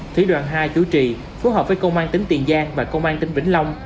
thủy đoàn hai chủ trì phối hợp với công an tỉnh tiền giang và công an tỉnh vĩnh long